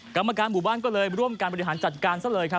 กรรมการหมู่บ้านก็เลยร่วมการบริหารจัดการซะเลยครับ